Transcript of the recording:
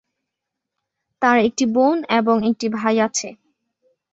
তার একটি বোন এবং একটি ভাই আছে।